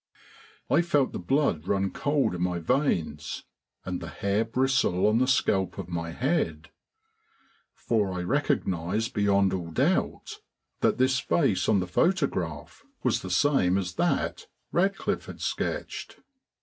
I felt the blood run cold in my veins and the hair bristle on the scalp of my head, for I recognised beyond all doubt that this face on the photograph was the same as that Radcliffe had sketched.